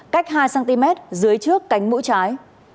cách hai cm dưới trước cánh mũi trái